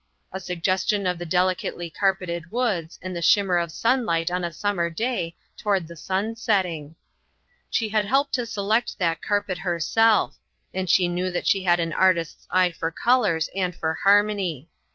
A suggestion of the delicately carpeted woods, and the shimmer of sunlight on a summer day toward the sun setting. She had helped to select that carpet herself, and she knew that she had an artist's eye for colors and for harmony.